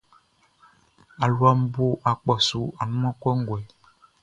Aluaʼn bo akpɔʼn su annunman kɔnguɛ.